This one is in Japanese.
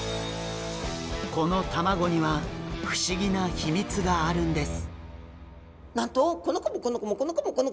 この卵には不思議な秘密があるんです。